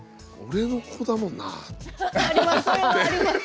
あります